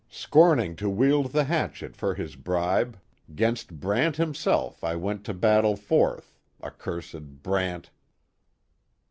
Scorning to wield the hatchet for his bribe, 'Gainst Brant himself I went to battle forth, — Accursed Brant.